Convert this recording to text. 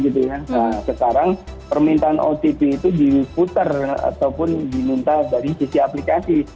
nah sekarang permintaan otp itu diputar ataupun diminta dari sisi aplikasi